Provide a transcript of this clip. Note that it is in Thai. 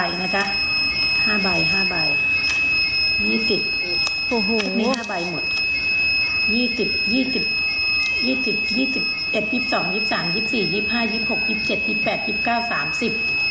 ยิบสองยิบสามยิบสี่ยิบห้ายิบหกยิบเจ็ดยิบแปดยิบเก้าสามสิบ